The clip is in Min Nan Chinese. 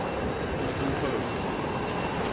拄拄好